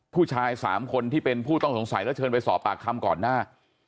ผู้ชาย๓คนที่เป็นผู้ต้องสงสัยแล้วเชิญไปสอบปากคำก่อนหน้า